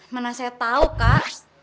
mana saya tahu kak